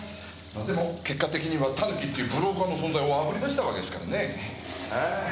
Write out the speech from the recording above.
でも結果的にはタヌキっていうブローカーの存在をあぶりだしたわけですからね。